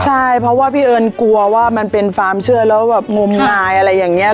ใช่เพราะว่าพี่เอิญกลัวว่ามันเป็นความเชื่อแล้วแบบงมงายอะไรอย่างนี้